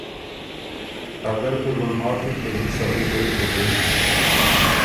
اګر که ګلماتی ل ته زُت سړئ غوېک بُکِن